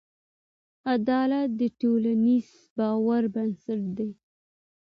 عدالت د ټولنیز باور بنسټ دی.